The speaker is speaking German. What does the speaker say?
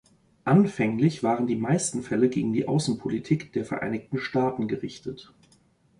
Anfänglich waren die meisten Fälle gegen die Außenpolitik der Vereinigten Staaten gerichtet.